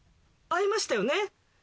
会いましたね。